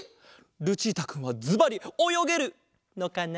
ルチータくんはズバリおよげるのかな？